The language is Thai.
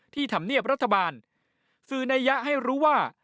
ธรรมเนียบรัฐบาลสื่อในยะให้รู้ว่า